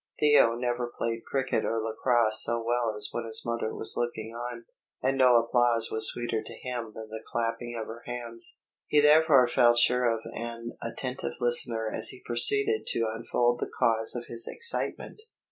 Theo never played cricket or lacrosse so well as when his mother was looking on, and no applause was sweeter to him than the clapping of her hands. He therefore felt sure of an attentive listener as he proceeded to unfold the cause of his excitement.